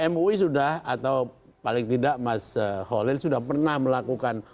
mui sudah atau paling tidak mas holil sudah pernah melakukan